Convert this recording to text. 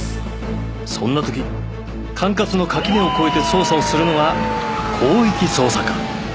そんな時管轄の垣根を越えて捜査をするのが広域捜査課